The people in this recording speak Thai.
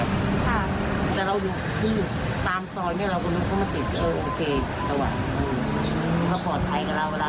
แต่ว่าถ้าปลอดภัยกับเราเวลาเราออกไปไหนกันคือ